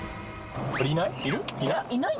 いない？